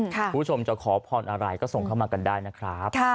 คุณผู้ชมจะขอพรอะไรก็ส่งเข้ามากันได้นะครับ